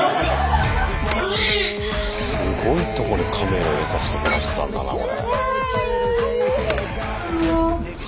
すごいところカメラ入れさしてもらったんだなこれ。